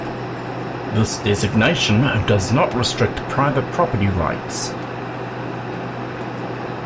This designation does not restrict private property rights.